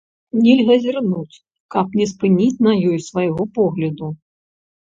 Нельга зірнуць, каб не спыніць на ёй свайго погляду.